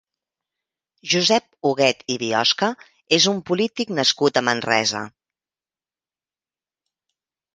Josep Huguet i Biosca és un polític nascut a Manresa.